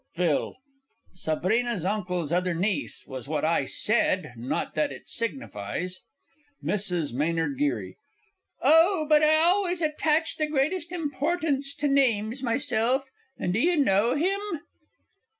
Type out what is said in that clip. PHIL. Sabrina's Uncle's Other Niece was what I said not that it signifies. MRS. M. G. Oh, but I always attach the greatest importance to names, myself. And do you know him?